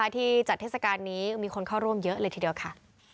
ที่จัดเทศกาลนี้มีคนเข้าร่วมเยอะเลยทีเดียวค่ะ